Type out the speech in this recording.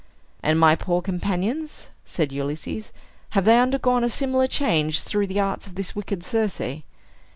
"And my poor companions," said Ulysses. "Have they undergone a similar change, through the arts of this wicked Circe?"